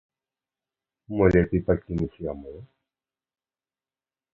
Мо лепей пакінуць яму?